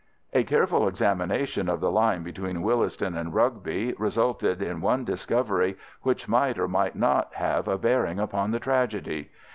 A careful examination of the line between Willesden and Rugby resulted in one discovery which might or might not have a bearing upon the tragedy.